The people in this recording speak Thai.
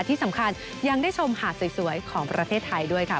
ที่สำคัญยังได้ชมหาดสวยของประเทศไทยด้วยค่ะ